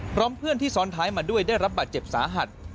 พร้อมเพื่อนที่ซ้อนท้ายมาด้วยได้รับบาดเจ็บสาหัส